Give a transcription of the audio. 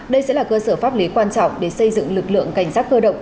đây sẽ là cơ sở pháp lý quan trọng để xây dựng lực lượng cảnh sát cơ động